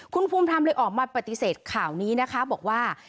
คุณภูมิธรรมเลยออกมาปฏิเสธข่าวนี้นะคะบอกว่า